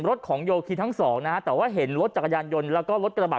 รถของโยคีทั้งสองนะฮะแต่ว่าเห็นรถจักรยานยนต์แล้วก็รถกระบะ